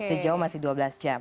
sejauh masih dua belas jam